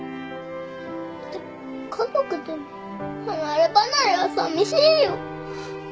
でも家族でも離れ離れはさみしいよ。